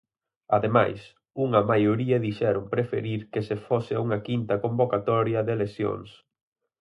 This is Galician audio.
Ademais, unha maioría dixeron preferir que se fose a unha quinta convocatoria de eleccións.